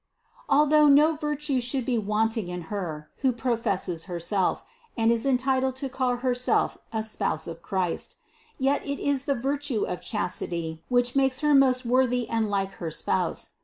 460. Although no virtue should be wanting in her, who professes herself, and is entitled to call herself, a spouse of Christ ; yet it is the virtue of chastity which makes her most worthy and like to her Spouse.